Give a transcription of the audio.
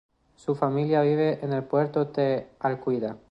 Su familia vive en el Puerto de Alcudia.